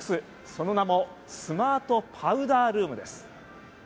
その名もスマートパウダールームです。